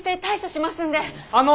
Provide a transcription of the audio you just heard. あの！